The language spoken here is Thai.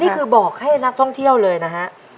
นี่คือบอกให้นักท่องเที่ยวเลยนะฮะ